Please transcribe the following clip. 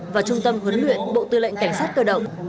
và trung tâm huấn luyện bộ tư lệnh cảnh sát cơ động